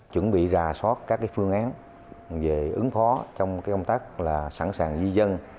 chuẩn bị rà soát các phương án về ứng phó trong công tác sẵn sàng di dân